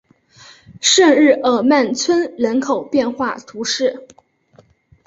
圣日耳曼村人口变化图示